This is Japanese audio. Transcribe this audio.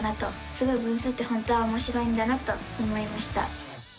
すごい分数って本当はおもしろいんだなと思いました！